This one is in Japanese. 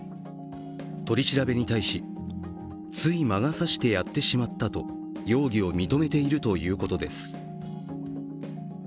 取り調べに対し、つい魔が差してやってしまったと容疑を認めているということです。